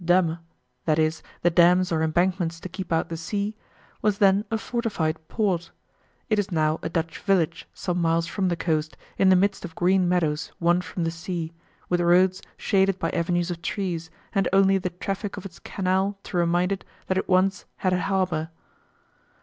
Damme (i.e. "the dams or embankments to keep out the sea") was then a fortified port. It is now a Dutch village, some miles from the coast, in the midst of green meadows won from the sea, with roads shaded by avenues of trees, and only the traffic of its canal to remind it that it once had a harbour.